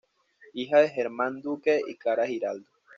Hija de Germán Duque y Clara Giraldo.